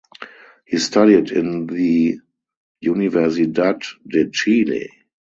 He studied in the Universidad de Chile.